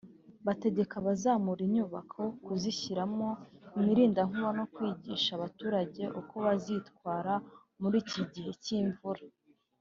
bategeka abazamura inyubako kuzishyiramo imirindankuba no kwigisha abaturage uko bazitwara muri iki gihe cy’imvura